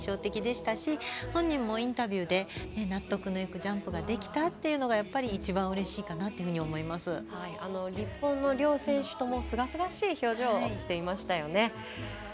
そんな感じが印象的でしたし本人もインタビューで納得のいくジャンプができたというのが日本の両選手ともすがすがしい表情してましたよね。